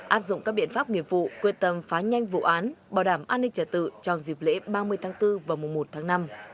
áp dụng các biện pháp nghiệp vụ quyết tâm phá nhanh vụ án bảo đảm an ninh trả tự trong dịp lễ ba mươi tháng bốn và mùa một tháng năm